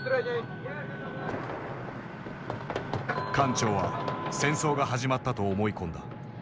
艦長は戦争が始まったと思い込んだ。